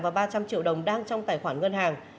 và ba trăm linh triệu đồng đang trong tài khoản ngân hàng